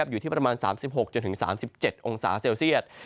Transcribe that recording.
อยู่ที่ประมาณ๓๖๓๗องศาเซลเซียต